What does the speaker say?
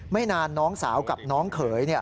ไม่นานน้องสาวกับน้องเขย